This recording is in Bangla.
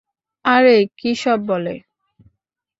আরে, কী সব বলে?